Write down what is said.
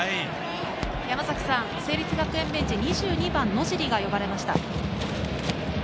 山崎さん、成立学園ベンチ、２２番・野尻が呼ばれました。